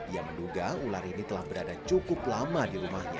ia menduga ular ini telah berada cukup lama di rumahnya